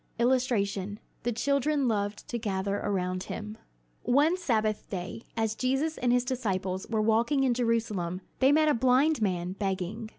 [Illustration: The children loved to gather around him] One Sabbath day, as Jesus and his disciples were walking in Jerusalem, they met a blind man begging.